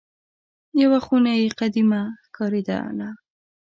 یوه خونه یې قدیمه ښکارېدله.